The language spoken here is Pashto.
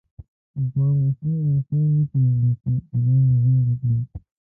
غوماشې انسان نه پرېږدي چې ارام ژوند وکړي.